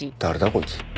こいつ。